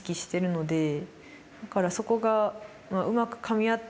だからそこが。